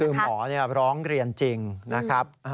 คือหมอร้องเรียนจริงนะครับ